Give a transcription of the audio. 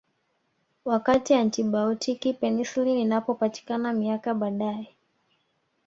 Wakati antibaotiki penicillin ilipopatikana miaka baadae